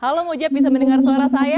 halo mujab bisa mendengar suara saya